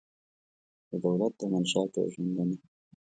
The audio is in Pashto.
د دولت د منشا پېژندنه